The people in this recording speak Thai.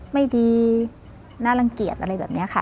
ไม่ดีน่ารังเกียจอะไรแบบนี้ค่ะ